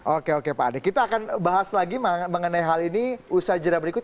oke oke pak ade kita akan bahas lagi mengenai hal ini usaha jenah berikut